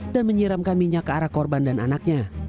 dan menyiramkan minyak ke arah korban dan anaknya